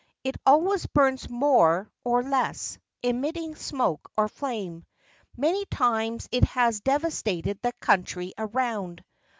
It always burns more or less, emitting smoke or flame. Many times it has devastated the country around.